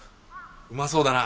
うまそうだな。